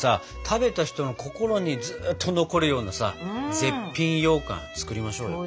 食べた人の心にずっと残るようなさ絶品ようかん作りましょうよ。